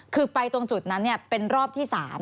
คือไปตรงจุดนั้นเป็นรอบที่๓